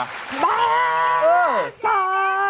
แบด